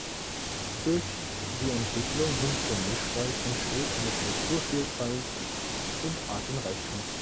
Durch die Entwicklung hin zum Mischwald entsteht eine Strukturvielfalt und Artenreichtum.